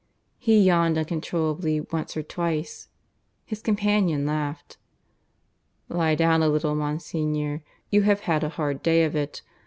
He yawned uncontrollably once or twice. His companion laughed. "Lie down a little, Monsignor. You have had a hard day of it.